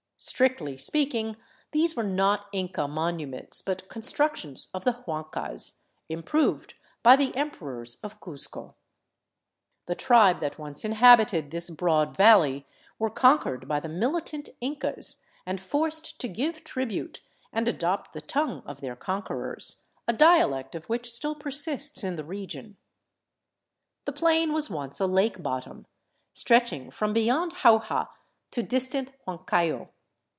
Strictly speak ing, these were not Inca monuments, but constructions of the Huancas, improved by the Emperors of Cuzco. The tribe that once inhabited this broad vafley were conquered by the militant Incas, and forced to give tribute and adopt the tongue of their conquerors, a dialect of which still persists In the region. The plain was once a lake bottom, stretching from beyond Jauja to distant Huancayo.